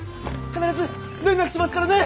必ず連絡しますからね。